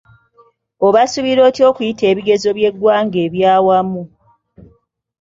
Obasuubira otya okuyita ebigezo by’eggwanga eby’awamu?